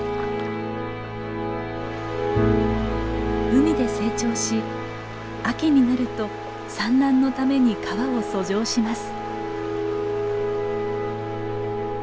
海で成長し秋になると産卵のために川を遡上します。